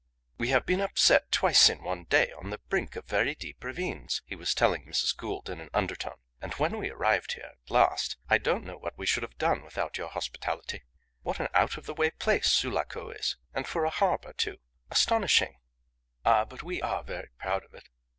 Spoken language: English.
"We have been upset twice in one day on the brink of very deep ravines," he was telling Mrs. Gould in an undertone. "And when we arrived here at last I don't know what we should have done without your hospitality. What an out of the way place Sulaco is! and for a harbour, too! Astonishing!" "Ah, but we are very proud of it.